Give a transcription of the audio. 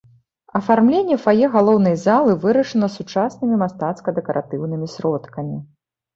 Афармленне фае галоўнай залы вырашана сучаснымі мастацка-дэкаратыўнымі сродкамі.